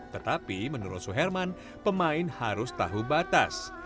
tetapi menurut soe herman pemain harus tahu batas